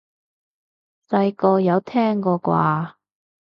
細個有聽過啩？